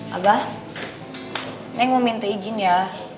abah saya mau minta izin ya